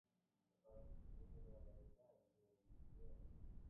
La parte superior de la vaina es redondeada.